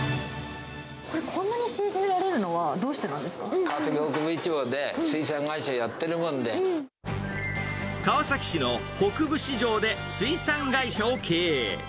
これ、こんなに仕入れられる川崎の北部市場で、水産会社川崎市の北部市場で水産会社を経営。